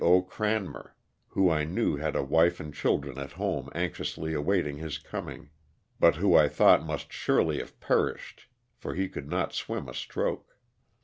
0. Cranmer, who I knew had a wife and children at home anxiously awaiting his coming, but who I thought must surely have perished for he could not swim a stroke.